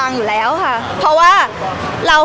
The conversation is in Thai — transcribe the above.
พี่ตอบได้แค่นี้จริงค่ะ